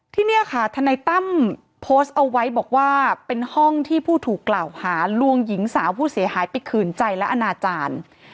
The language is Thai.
ที่นี่ค่ะทนายตั้มโพสต์เอาไว้บอกว่าเป็นห้องที่ผู้ถูกกล่าวหาลวงหญิงสาวผู้เสียหายไปขืนใจและอนาจารย์